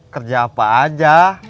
kerja apa aja